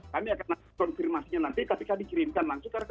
kami akan konfirmasinya nanti ketika dikirimkan langsung